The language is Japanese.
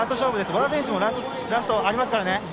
和田選手もラスト、あります！